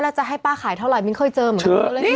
แล้วจะให้ป้าขายเท่าไหมิ้นเคยเจอเหมือนกัน